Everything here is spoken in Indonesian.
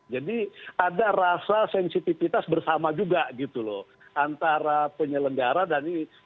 jadi ada rasa sensitivitas bersama juga gitu loh antara penyelenggara dan ini